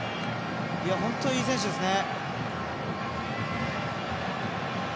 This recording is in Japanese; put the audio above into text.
本当、いい選手ですね。